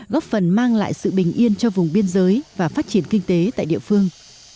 góp phần mang lại sự bình yên cho vùng biên giới và phát triển kinh tế tại địa phương